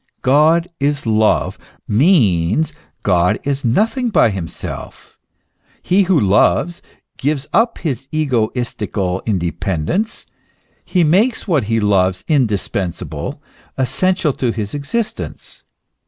" God is love," means, God is nothing by himself: he who loves, gives up his egoistical independence ; he makes what he loves indispensable, essential to his existence.